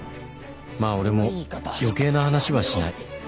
まぁ俺も余計な話はしない